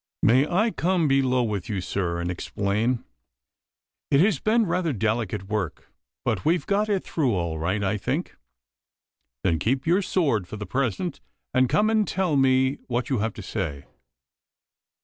"May I come below with you, sir, and explain? It has been rather delicate work, but we've got it through all right, I think." "Then keep your sword for the present, and come and tell me what you have to say."